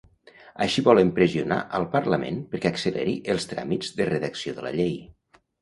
Així volen pressionar al Parlament perquè acceleri els tràmits de redacció de la llei.